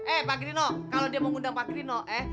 eh pak grino kalau dia mau ngundang pak krino eh